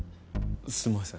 すみません。